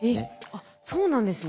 あっそうなんですね。